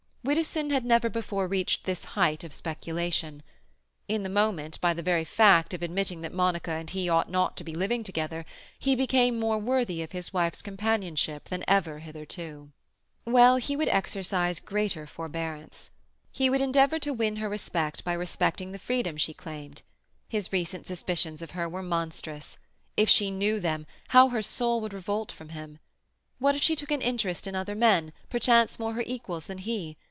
Widdowson had never before reached this height of speculation. In the moment, by the very fact, of admitting that Monica and he ought not to be living together, he became more worthy of his wife's companionship than ever hitherto. Well, he would exercise greater forbearance. He would endeavour to win her respect by respecting the freedom she claimed. His recent suspicions of her were monstrous. If she knew them, how her soul would revolt from him! What if she took an interest in other men, perchance more her equals than he?